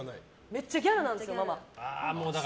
めっちゃギャルなんですよママ。